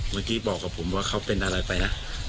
เมื่อกี้บอกกับผมว่าเขาเป็นอะไรไปนะ